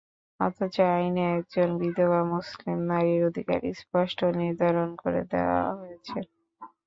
অথচ আইনে একজন বিধবা মুসলিম নারীর অধিকার স্পষ্ট নির্ধারণ করে দেওয়া হয়েছে।